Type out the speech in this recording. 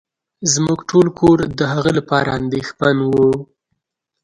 زمونږ ټول کور د هغه لپاره انديښمن وه.